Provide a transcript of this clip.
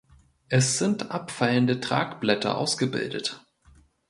Es sind abfallende Tragblätter ausgebildet.